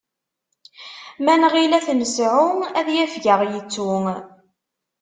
Ma nɣil ad t-nesɛu, ad yafeg ad aɣ-yettu.